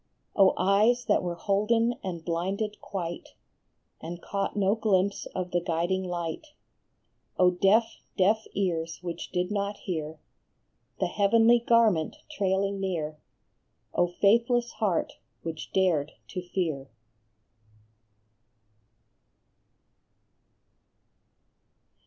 O eyes that were holden and blinded quite, And caught no glimpse of the guiding light O deaf, deaf ears which did not hear The heavenly garment trailing near ! O faithless heart, which dared to fear